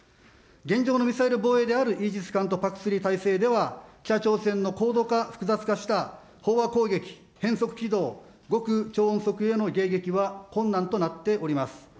現状のミサイル防衛であるイージス艦とＰＡＣ３体制では、北朝鮮の高度化、複雑化したほうわ攻撃、変則軌道、極ちょうおん高速への迎撃は困難となっております。